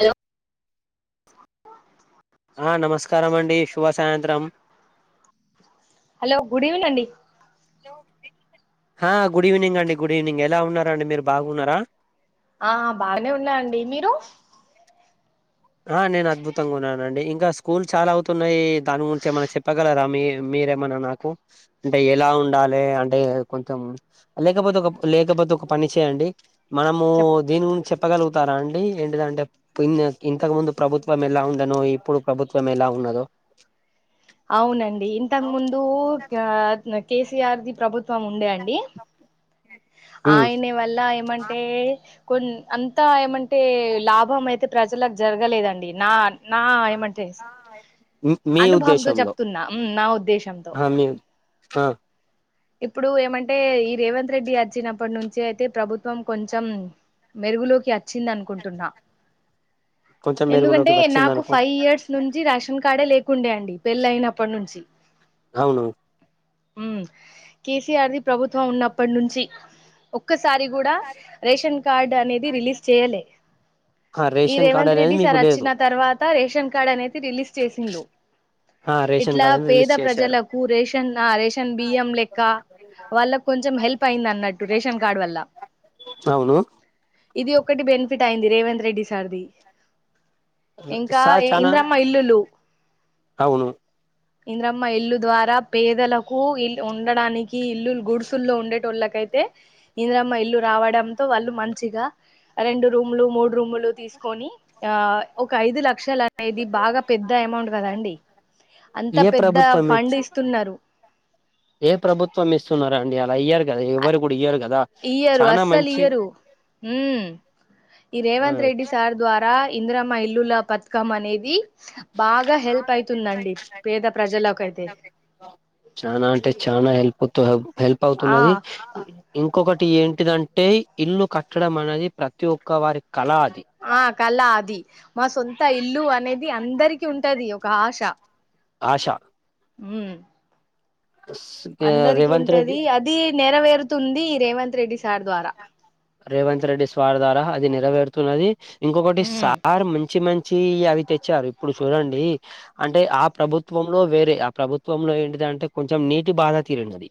Hello ఆ నమస్కారం అండి శుభ సాయంత్రం హలో గుడ్ ఈవిని అండి హా గుడ్ ఈవినింగ్ అండి గుడ్ ఈవినింగ్ ఎలా ఉన్నారా అండి మీరు బాగున్నారా ఆ బాగానే ఉన్నా అండి మీరు ఆ నేను అద్భుతంగా ఉన్నానండి ఇంకా స్కూల్ చాలా అవుతున్నాయి దాని గురించి ఏమైనా చెప్పగలరా మీ మీ మీరేమన్నా నాకు అంటే ఎలా ఉండాలి అంటే కొంచెం లేకపోతే ఒక లేకపోతే ఒక పని చేయండి మనము చెప్ దీని గురించి చెప్పగలుగుతారా అండి ఏంటిదంటే పిన్ ఇంతకు ముందు ప్రభుత్వం ఎలా ఉండనో ఇప్పుడు ప్రభుత్వం ఎలా ఉన్నదో అవునండి ఇంతకు ముందు కే. సీ. ఆర్. ది ప్రభుత్వం ఉండే అండి ఓకే ఆయన వల్ల ఏమంటే కొన్ అంతా ఏమంటే లాభం అయితే ప్రజలకు జరగలేదండి నా నా ఏమంటే మీ అనుభవంతో ఉద్దేశంలో చెప్తున్నా ఉమ్, నా ఉద్దేశంతో ఆ మీ ఆ ఇప్పుడు ఏమంటే ఈ రేవంత్ రెడ్డి వచ్చినప్పటి నుంచి అయితే ప్రభుత్వం కొంచెం మెరుగులోకి వచ్చింది అనుకుంటున్నా కొంచెం మెరుగులోకి ఎందుకంటే నాకు వచ్చిందనుకో ఫైవ్ ఇయర్స్ నుంచి రేషన్ కార్డే లేకుండే అండి పెళ్ళయినప్పటి నుంచి అవును మ్మ్ కే. సీ. ఆర్. ది ప్రభుత్వం ఉన్నప్పటి నుంచి ఒక్ ఒక్కసారి కూడా రేషన్ కార్డ్ అనేది రిలీజ్ చేయలే ఆ ఈ రేషన్ కార్డ్ రేవంత్ అనేది రెడ్డి మీకు సార్ లేదు వచ్చిన తర్వాత రేషన్ కార్డు అనేది రిలీజ్ చేసిల్లు ఆ రేషన్ ఇట్లా కార్డ్ అనేది పేద రిలీజ్ చేశారు ప్రజలకు రేషన్ ఆ రేషన్ బియ్యం లెక్క వాళ్ళకు కొంచెం హెల్ప్ అయింది అన్నట్టు రేషన్ కార్డ్ వల్ల అవును ఇది ఒక్కటి బెనిఫిట్ అయింది రేవంత్ రెడ్డి సార్ది ఇంకా సార్ చానా ఇంద్రమ్మ ఇల్లులు అవును ఇంద్రమ్మ ఇల్లు ద్వారా పేదలకు ఇల్ ఉండడానికి ఇల్లులు గుడుసుల్లో ఉండేటోళ్ళకైతే ఇంద్రమ్మ ఇల్లు రావడంతో వాళ్ళు మంచి మంచిగా రెండు రూమ్ లు మూడు రూమ్ లు తీసుకొని ఆ ఒక ఐదు లచ్ లక్షలు అనేది బాగా పెద్ద అమౌంట్ కదా అండి అంత ఏ పెద్ద ప్రభుత్వం ఫండ్ ఇచ్చి ఇస్తున్నారు ఏ ప్రభుత్వం ఇస్తున్నారండి అలా ఇయ్యరు కదా ఎవ్వరు కూడా ఇయ్యరు కదా ఇయ్యరు చానా అస్సలు మంచి ఇయ్యరు మ్మ్ ఈ ఆ రేవంత్ రెడ్డి సార్ ద్వారా ఇంద్రమ్మ ఇల్లుల పతకం అనేది బాగా హెల్ప్ అయితుందండి పేద ప్రజలకైతే చానా అంటే చానా హెల్ప్ కొత్తగా హెల్ప్ ఆ అవుతున్నది ఇంక్ ఇంకొకటి ఏంటిదంటే ఇల్లు కట్టడం అనేది ప్రతి ఒక్క వారికి ఆ కలా అది మాసొంత్ సొంత ఇల్లు అనేది అందరికి ఉంటది ఒక ఆశ ఆశ మ్మ్ అందరికి రేవంత్ రెడ్డి ఉంటది అది నెరవేరుతుంది రేవంత్ రెడ్డి సార్ ద్వారా రేవంత్ రెడ్డి స్వార్ ద్వారా అది నెరవేరుతున్నది ఇంకొకటి ఉమ్ సార్ మంచి మంచి చ్చి అవి తెచ్చారు ఇప్పుడు చూడండి అంటే ఆ ప్రభుత్వంలో వేరే ఆ ప్రభుత్వంలో ఏంటిది అంటే కొంచెం నీటి బాధ తీరిండది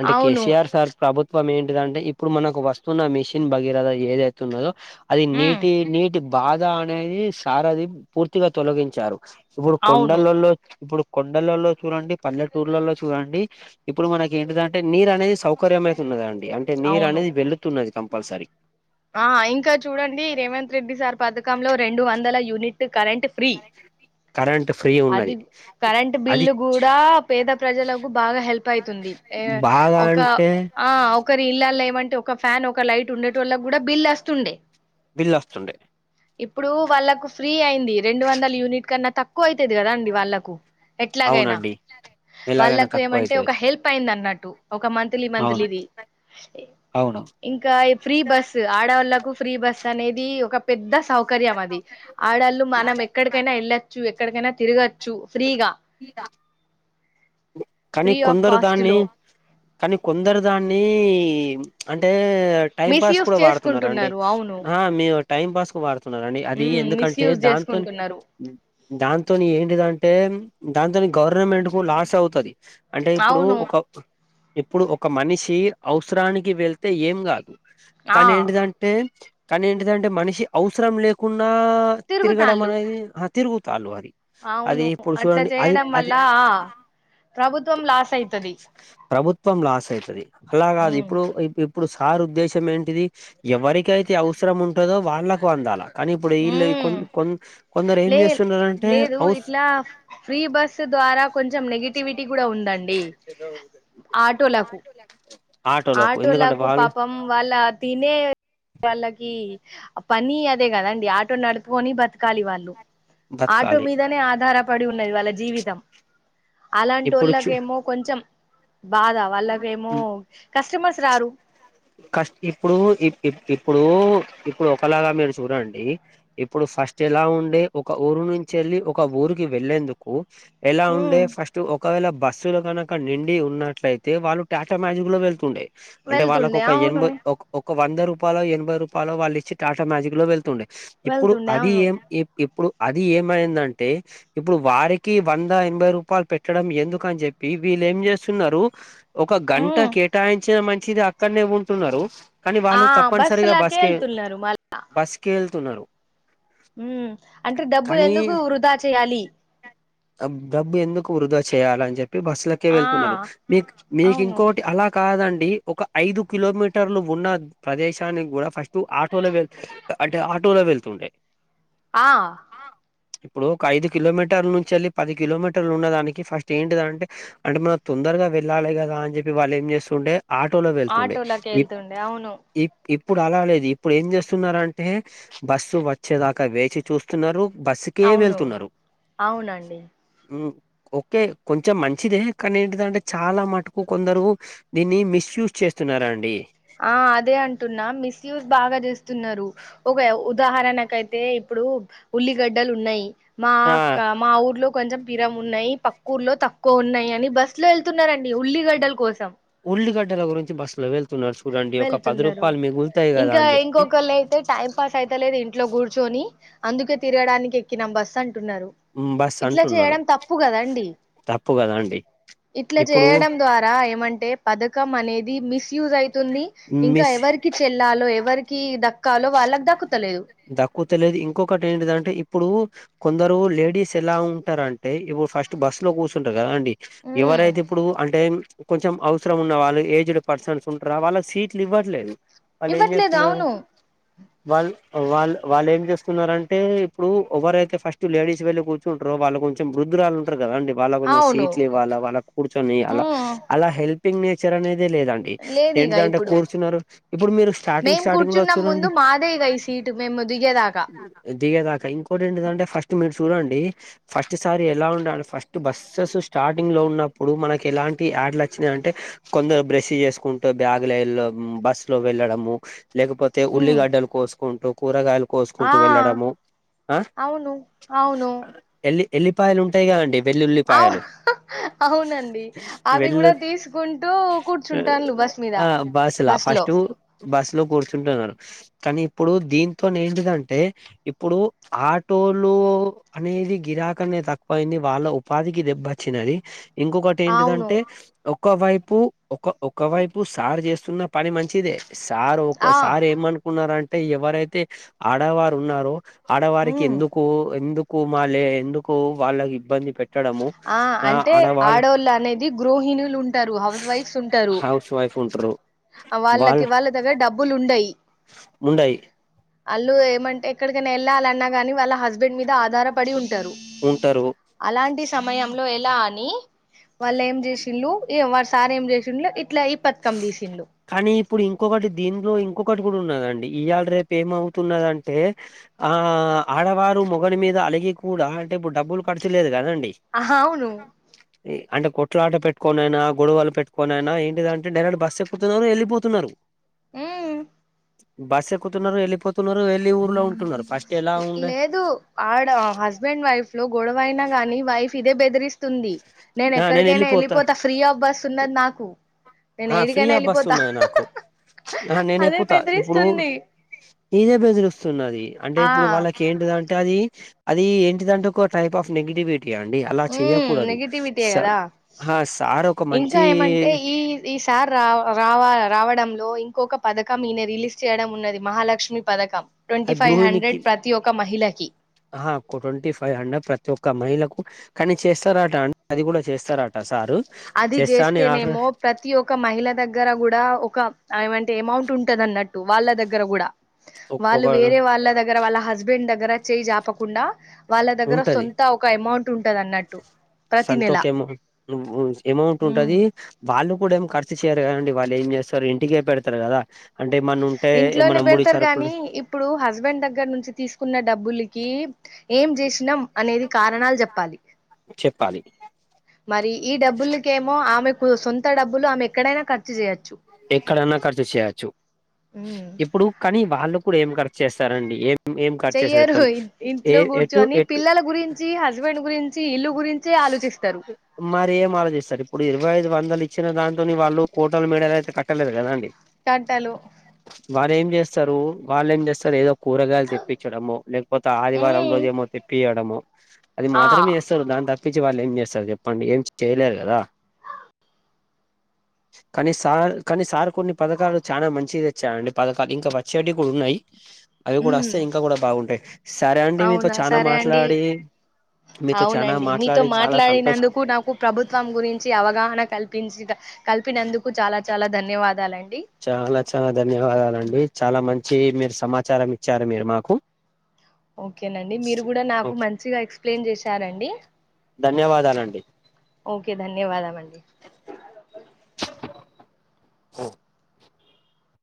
అంటే అవును కేసీఆర్ సార్ ప్రభుత్వం ఏంటిదంటే ఇప్పుడు ఇప్పుడు మనకు వస్తున్న మిషిన్ భగీరథ ఏదైతున్నదో అది ఉమ్ నీటి నీటి బాధ అనేది సారథి పూర్తిగా తొలగించారు ఇప్పుడు అవును కొండలలో ఇప్పుడు కొండలలో చూడండి పల్లెటూర్లలో చూడండి ఇప్పుడు మనకి ఏంటిదంటే నీరు అనేది సౌకర్యం అయితున్నదండి అంటే నీరు అనేది వెళుతున్నది కంపల్సరీ ఆ ఇంకా చూడండి రేవంత్ రెడ్డి సార్ పథకంలో రెండు వందల యూనిట్ కరెంట్ ఫ్రీ కరెక్ష అది కరెంట్ అది బిల్లు కూడా పేద ప్రజలకు బాగా హెల్ప్ అయితుంది బాగా ఒక అంటే ఆ ఒకరి ఇల్లాల ఏమంటే ఒక ఫ్యాన్ ఒక లైట్ ఉండేటోళ్లకు కూడా బిల్ వస్తుండే బిల్ వస్తుండే ఇప్పుడు వాళ్ళలకు ఫ్రీ అయింది రెండు వందల యూనిట్ కన్నా తక్కువ అవుతది కదా అండి వాళ్ళకు ఎట్లాగైనా అవునండి ఎలాగైనా వాళ్ళకు తక్కువ ఏమంటే అయితది ఒక హెల్ప్ అయింది అన్నట్టు ఒక మంత్లీ అవును మంత్లీది అవును ఇంకా ఫ్రీ బస్సు ఆడవాళ్ళలకు ఫ్రీ బస్ అనేది ఒక పెద్ద సౌకర్యం అది ఆడళ్ళు మనం ఎక్కడికైనా వెళ్ళొచ్చు ఎక్కడికైనా తిరగచ్చు ఫ్రీగా కానీ ఫ్రీ ఆఫ్ కొందరు కాస్ట్ దాన్ని లో కానీ కొందరు దాన్ని అంటే టైం పాస్ మిస్యూజ్ కూడా వాడుతున్నారండీ చేసుకుంటున్నారు అవును మీరు టైం పాస్ కు వాడుతున్నరు అది ఉమ్ ఎందుకంటే మిస్యూజ్ దాంతోని చేసుకుంటున్నారు దాంతోని ఏంటిదంటే దాంతో గవర్నమెంట్ కు లాస్ అవుతది అంటే ఇప్పుడు అవును ఒక ఇప్పుడు ఒక మనిషి అవసరానికి వెళ్తే ఏం కాదు ఆ కానీ ఏంటిదంటే కానీ ఏంటిదంటే మనిషి అవసరం లేకుండా లేకున్నా తిరుగుతాళ్ళు తిరగడమనేది ఆ తిరుగుతల్ అది అవును ఇప్పుడు అట్లా చూడండి అది చేయడం అది వల్ల ఆ ప్రభుత్వం లాస్ అయితది ప్రభుత్వం లాస్ అయితది అలా గాదు ఉమ్ ఇప్పుడు ఇప్పుడు సార్ ఉద్దేశం ఏంటిది ఎవరికైతే అవసరం ఉంటుదో వాళ్ళకు అందాలా కానిప్పుడు వీల్ ఉమ్ కొన్ కొం లే లేదు ఇట్లా ఫ్రీ బస్ ద్వారా కొంచెం నెగిటివిటీ కూడా ఉందండి ఆటోలకు ఎందుకంటే ఆటోలకు వాళ్ళు పాపం వాళ్ళ తినే వాళ్ళకి పని అదే కదండి ఆటో నడుపుకొని బతకాలి వాళ్ళు ఆటో బతకాలి మీదనే ఆధార పడి ఉన్నది వాళ్ళ జీవితం అలాంటి ఇప్పుడు చూ వాళ్ళకేమో కొంచెం బాధా వాళ్ళకేమో కస్టమర్స్ రారు కస్ట్ ఇప్పుడు ఇప్పుడు ఇపు ఇప్పుడు ఒకలాగా మీరు చూడండి ఇప్పుడు ఫస్ట్ ఎలా ఉండే ఒక ఊరు నుంచి వెళ్ళి ఒక ఊరికి వెళ్ళేందుకు ఎలా ఉండే ఉమ్ ఫస్ట్ ఒక ఒకవేళ బస్సులు కనుక నిండి ఉన్నట్లయితే వాళ్ళు టాటా మ్యాజిక్ లో వెళ్తుండే అంటే వాళ్ళకు వెళ్తుండే ఒక అవును ఎనభై ఒక ఒక వంద రూపాయలో ఎనభై రూపాయలో వాళ్ళు ఇచ్చి టాటా మ్యాజిక్ లో వెళ్తుండే ఇప్పుడు వెళ్తుండే అది అవును ఏం ఏం ఇప్పుడు అది ఏమైందంటే ఇప్పుడు వారికి వంద ఎనభై రూపాయలు పెట్టడం ఎందుక అని చెప్పి వీళ వీళ్లు ఏం చేస్తున్నారు ఒక గంట ఉమ్ కేటాయించిన మంచిది అక్కడనే ఉంటున్నారు కానీ ఆ వాళ్ళు తప్పనిసరిగా బస్సులాకే బస్కి వెళ్తున్నారు మళ్ బస్కి వెళ్తున్నారు ఉమ్ అంటే డబ్బులు కానీ ఎందుకు వృధా చేయాలి డబ్బు ఎందుకు వృధా చెయ్యాలని బస్సుల కే ఆ వెళ్తున్నారు మీకు మీకు అవును ఇంకోటి అలా కాద డి ఒక ఐదు కిలోమీటర్లు ఉన్న ప్రదేశానికి కూడా ఫస్ట్ ఆటోలో వెళ్ అంటే ఆటోలో వెళ్తుండే ఆ ఇప్పుడు ఒక ఐదు కిలోమీటర్ల నుంచి వెళ్ళి పది కిలోమీటర్లు ఉన్న దానికి ఫస్ట్ ఏంటిది అంటే అంటే మనం తొందరగా వెళ్ళాలి కదా అని చెప్పి వాళ్ళ ఏ ఎం చేస్తుండే ఆటోలో వెళ్తుండే ఆటోలకి ఇ వెళ్తుండే అవును ఇ ఇ ఇప్పుడు అలా లేదు ఇప్పుడు ఏం చేస్తున్నారు అంటే బస్సు వచ్చేదాకా వేచి చూస్తున్నారు బస్సుకే అవును వెళ్తున్నారు అవునండి ఉమ్, ఓకే కొంచెం మంచిదే కానీ ఏంటిదంటే చాలా మటుకు కొందరు దీన్ని మిస్యూస్ చే చేస్తున్నారా అండి ఆ అదే అంటున్నా మిస్యుజ్ బాగా చే స్తున్నారు ఒక ఉదాహరణకు అయితే ఇప్పుడు ఉల్లిగడ్డలు ఉన్నాయి మా ఆ మా ఊర్లో కొంచెం పిరం ఉన్నాయి పక్క ఊర్లో తక్కువ ఉన్నాయి అని బస్సు లో వెళ్తున్న రండి ఉల్లిగడ్డల కోసం ఉల్లిపాయల గురించి బస్సు లో వెళ్త చూడండి ఒక పది వెళ్తున్నారు రూపాయలు మీగులు ఇంకా ఇంకొకళ్ళు అయితే టైం పాస్ అయితే లేదు ఇంట్లో కూర్చొని అందుకే తిరగడానికి ఎక్కినం బస్ అం టున్నారు ఉమ్, బస్ ఇట్లా అంటున్నారు చేయడం తప్పు కదా అండి తప్పు కదా అండి ఇట్లా ఇప్పుడు చేయడం ద్వారా ఏమంటే పథకం అనేది మిస్యూజ్ అయితుంది ఇంకా మిస్ ఎవరికి చెల్లాలో ఎవరికి ద కాలవ వాలాను తాకు దక్కుత లేదు ఇంకొకటి ఏంటిదంటే ఇప్పుడు కొందరు లేడీస్ ఎలా ఉంటారు అంటే ఇప్పుడు ఫస్ట్ బస్సు లో కూర్చుంటారు కదా అండి ఉమ్ ఎవరైతే ఇప్పుడు అంటే కొంచెం అవసరం ఉన్న వాళ్ళు ఏజ్డ్ పర్సన్స్ ఉంటారా వాళ్ళకి సీట్లు ఇవ్వట్లేదు ఇవ్వట్లేదు అవును వాళ్లు వాళ్ళు వాళ్ళు ఎం చేస్తున్నారంటే ఇప్పుడు ఎవరైతే ఫస్ట్ లేడీస్ వెళ్ళి కూర్చుంటారో వాళ్ళు కొంచెం వృద్ధురాలు ఉంటారు కద కదండి వాళ్ళ కొంచెం అవును సీట్లు ఇవ్వాల వాళ్ళని కూర్చొనియ్యాలా ఉమ్ అలా హెల్పింగ్ నేచర్ అనేది ఇదే లేదండి లేదు ఇగ ఏంటిదంటే ఇప్పుడు కూర్చున్నారు ఇప్పుడు మీరు స్టార్టింగ్ స్టార్టింగ్ లో చూడండి అంటే మేము దిగేదాకా దిగేదాకా ఇంకోటి ఏంటంటే ఫస్ట్ మీ చూడండి ఫస్ట్ సారి ఎలా ఉండ లో ఫస్ట్ బస్సెస్ స్టార్టింగ్ లో ఉన్నప్పుడు మనకి ఎలాంటి బ్యాడ్ల్ వచ్చినీ అంటే కొందరు బ్రష్ చేసుకుంటూ బ్యాగ్ లో వెళ్ళడం బస్సు లో వెళ్ళడము లేకపోతే ఉమ్ ఉల్లిగడ్డలు కోసుకుంటూ కూరగాయలు ఆ కోసుకుంటూ వెళ్ళడము ఆ అవును అవును ఎల్లి ఎల్లిపాయలు ఉంటాయిగా అండి వెల్లుల్లి అవు పాయలు అవునండి అవి కూడా తీసుకుంటూ కూర్చుంటాను బస్ మీద ఆ బస్సులా బస్ లో ఫస్ట్ బస్ లో కూర్చుంటున్నారు కానీ ఇప్పుడు దీని ఏంటిదంటే ఇప్పుడు ఆటోలు అనేది గిరాకనే తక్కువయింది వాళ్ళ ఉపాధికి దెబ్బచ్చినది ఇంకొకటి అవును ఏంటిదంటే ఒక వైపు ఒక ఒక వైపు సారు చేస్తున్న పని మంచిదే సార్ ఒక ఆ సార్ ఏమనుకున్నారంటే ఎవరైతే ఆడవారు ఉన్నారో ఆడవారికి ఉమ్ ఎందుకు ఎందుకు మళ్ళి ఎందుకు వాళ్ళకి ఇబ్బంది పెట్ ఆ అంటే ఆడళ్ళు అనేది గృోహిణులు ఉండ టారు హౌస్ వైఫ్స్ ఉంటారు హౌస్ వైఫ్ ఉంటారు వాళ్ళకి వాళ్ళ దగ్గర డబ్బులు ఉండయి ముండయి వాళ్ళు ఏమంటే ఎక్కడికైనా వెళ్ళాలన్నా గాని వాళ్ళ హస్బెండ్ మీద ఆధారపడి ఉంటు టరు ఉంటారు అలాంటి సమయంలో ఎలా అని వాళ్ళు ఏం చేసిళ్లు వాళ సార్ ఏం చేసిళ్లు ఇట్లా పథకం తీసిండ్లు కానీ ఇప్పుడు ఇంకొకటి దీంట్లో ఇంకొక ఒకటి కూడా ఉన్నదండి ఈవాళ రేపు ఏమవుతున్నదంటే ఆ ఆడవారు మొగని మీద అలిగీ కూడా అంటే ఇప్పుడు డబ్బులు ఖర్చులేదు కదండి ఆహా అవును అంటే కొట్లా ఆట పెట్టుకోనైనా గొడవలు పెట్టుకోనైనా ఏంటిదంటే అంటే డైరెక్ట్ బస్ ఎక్కుతున్నారు వెళ్ళిపోతున్నారు ఉం బస్సు ఎక్కుతున్నారు వెళ్ళిపోతున్నారు వెళ్లి ఊర్లో ఉ లేదు ఆడ హస్బెండ్ వైఫ్ లో గొడవైనా గానీ వైఫ్ ఇదే బెదిరిస్త తుంది నేను ఆ ఎక్కడికైనా వెళ్ళిపోతా వెళ్ళిపోత ఫ్రీ ఆఫ్ బస్ ఉన్నది నాకు నేను ఆ ఫ్రీ ఏడికైనా ఆ బస్ వెళ్ళిపోతా ఉన్నాది నాకు ఆ నేను అదే ఎక్కుతా ఇప్పుడు బెదిరిస్తుంది ఇదే బెదిరుస్తున్నది అంటే ఆ ఇప్పుడు వాళ్ళకి ఏంటిదంటే అది అది ఏంటిదంటే ఒక టైప్ ఆఫ్ నెగిటివిటీ అండి అలా ఉమ్ చెయకూడదు నెగిటివిటీయే స కదా హా సార్ ఒక మంచి సార్ రా రావ రావడంలో ఇంకొక పథకం ఈయన రిలీజ్ చేయడం ఉన్నది మహాలక్ష్మి పథకం ట్వంటీ అది ఫైవ్ గృహిణకి హండ్రెడ్ ప్రతి ఒక్క మహిళకి ఆహా ట్వంటీ ఫైవ్ హండ్రెడ్ ప్రతి ఒక్క ఒక మహిళకు కానీ చేస్తారట అండి అది కూడా చేస్తారట సారు అది చేస్తా అని ఆర్డర్ చేస్తేనేమో ప్రతి ఒక్క మహిళ దగ్గర కూడా ఒక ఏమంటే అమౌంట్ ఉంటది అన్నట్టు వాళ్ళ దగ్గర కూడా ఒక వాళ్ళు వేరే వాళ్ళ దగ్గర వాళ్ళ హస్బెండ్ దగ్గర చేయి జాపకుండా వాళ్ళ దగ్గర సొంత ఒక అమౌంట్ ఉంటది అన్నట్టు ప్రతి నెల సొంతక ఎమో అమౌంట్ ఉంటది ఉమ్ వాళ్ళు కూడా ఏమ్ కర్చు చేయ్యరు కదండి వాళ్ళు ఏం చేస్తారు ఇంటికే పెడతారు కదా అంటే ఏమన్నా ఉంటే ఇంట్లోనే ఏమన్నా ముడి పెడతారు గాని సరుకులు ఇప్పుడు హస్బెండ్ దగ్గర నుంచి తీసుకున్న డబ్బులికి ఏం చేసినాం అనేది కారణాలు చెప్పాలి చెప్పాలి మరి ఈ డబ్బులకేమో ఆమెకు సొంత డబ్బులు ఆమె ఎక్కడైనా ఖర్చు చేయొచ్చు ఎక్కడన్నా ఖర్చు చేయచ్చు ఉమ్ ఇప్పుడు కానీ వాళ్ళు ఇప్పుడు ఏం ఖర్చు చేస్తారండి ఏమ్ ఏం కర్చు చేసారు చెయ్యరు ఎప్పుడన్నా ఏ ఇంట్లో ఎటు కూర్చొని ఎటు పిల్లల గురించి హస్బెండ్ గురించి ఇల్లు గురించే ఆలోచిస్తారు మరి ఏం ఆలోచిస్తారు ఇప్పుడు ఇరవై ఐదు వందలు ఇచ్చిన దాంతోని వాళ్ళు కోటలు మే డలు అయితే కట్టలేదు కధ అండి తట్టలు వాళ్ళు ఏం చేస్తారు వాళ్ళు ఏం చేస్తారు ఏదో కూరగాయలు తెప్పించడమో లేకపోతే ఆదివారం ఉమ్ రోజు ఏమో తెప్పి డమో అది ఆ మాత్రమే చేస్తరు దాని తప్ప తప్పించి వాళ్ళు ఏం చేస్తారు చెప్పండి ఏం చేయలేరు కదా కానీ సార్ కనీ సార్ కొన్ని పథకాలు చాలా మంచిది తెచ్చారండి పథకాలు ఇంకా వచ్చేటివి కూడా ఉన్నాయి అవి కూడా వస్తే ఉమ్ ఇంకా కూడా బాగుంటాయి సరే అండి మీతో అవునా చానా సరే అండి మాట్లాడి మీతో చానా అవునండి మీ మీతో మాట్లాడి చాలా సంతోషం మాట్లాడినందుకు నాకు ప్రభుత్వం గురించి అవగాహన కల్పించి కల్పినందుకు చాలా చాలా ధన్యవాదాలండి చాలా చాలా ధన్యవాదాలండి, చాలా మంచ్ చీ మీరు సమాచారం ఇచ్చారు మీరు మాకు ఓకేనండి మీరు గూడ నాకు ఓకే మంచిగా ఎక్స్ప్లెయిన్ చేశారండి. ధన్యవాదాలండి. ఓకే ధన్యవాదమండి. ఉమ్